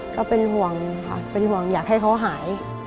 ก็เป็นห่วงค่ะเป็นห่วงอยากให้เขาหาย